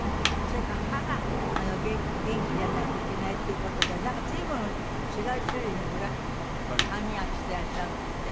それから歯が元気じゃないといけないっていう事でなんか随分違う種類のブラシで歯磨きしていらっしゃるんですって？